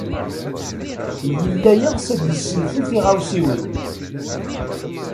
Yella yeɣs ad yessenfel tiɣawsiwin.